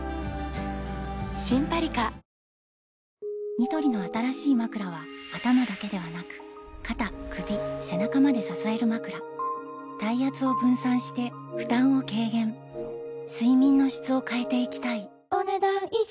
ニトリの新しいまくらは頭だけではなく肩・首・背中まで支えるまくら体圧を分散して負担を軽減睡眠の質を変えていきたいお、ねだん以上。